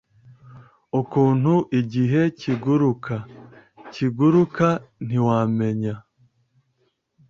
Ukuntu igihe kiguruka ... kiguruka ...ntiwamenya